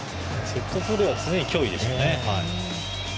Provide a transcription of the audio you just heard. セットプレーは常に脅威でしたね。